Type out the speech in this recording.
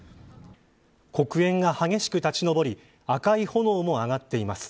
黒煙が激しく立ち上り赤い炎も上がっています。